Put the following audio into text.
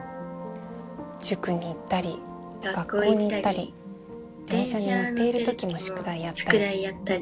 塾に行ったり学校に行ったり電車に乗っている時も宿題やったり。